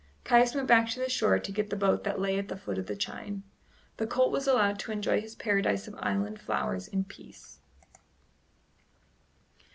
Caius went back to the shore to get the boat that lay at the foot of the chine. The colt was allowed to enjoy his paradise of island flowers in peace.